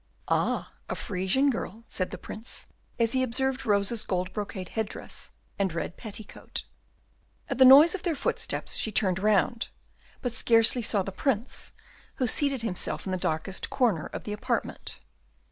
"Ah! a Frisian girl," said the Prince, as he observed Rosa's gold brocade headdress and red petticoat. At the noise of their footsteps she turned round, but scarcely saw the Prince, who seated himself in the darkest corner of the apartment.